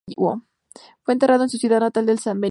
Fue enterrado en su ciudad natal de San Benito.